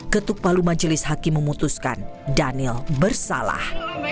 ketuk palu majelis hakim memutuskan daniel bersalah